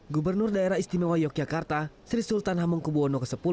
gubernur daerah istimewa yogyakarta sri sultan hamengkubwono x